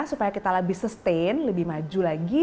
supaya kita lebih sustain lebih maju lagi